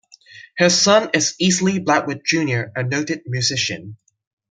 His son is Easley Blackwood Junior a noted musician.